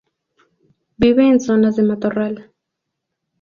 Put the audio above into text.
Vive en zonas de matorral.